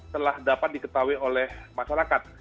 telah dapat diketahui oleh masyarakat